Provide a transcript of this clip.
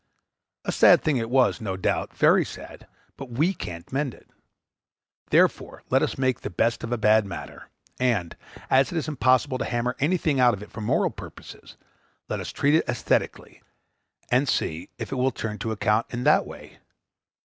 A sad thing it was, no doubt, very sad; but we can't mend it. Therefore let us make the best of a bad matter; and, as it is impossible to hammer anything out of it for moral purposes, let us treat it æsthetically, and see if it will turn to account in that way.